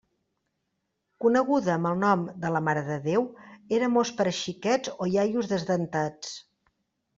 Coneguda amb el nom de la marededéu, era mos per a xiquets o iaios desdentats.